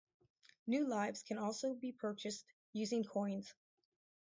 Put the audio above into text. New lives can also be purchased using coins.